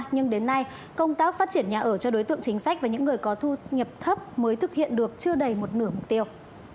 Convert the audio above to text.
nhưng đến nay công tác phát triển nhà ở cho đối tượng chính sách và những người có thu nhập thấp mới thực hiện được chưa đầy một nửa mục tiêu